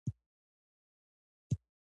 یو زمری په یوه ځنګل کې ناروغ شو.